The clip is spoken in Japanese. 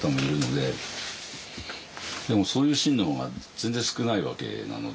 でもそういうシーンの方が全然少ないわけなので。